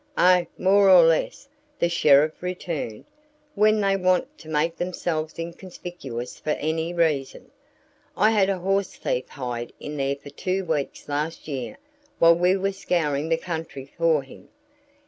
"Oh, more or less," the sheriff returned, "when they want to make themselves inconspicuous for any reason. I had a horse thief hide in there for two weeks last year while we were scouring the country for him.